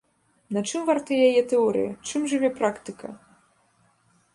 На чым варта яе тэорыя, чым жыве практыка?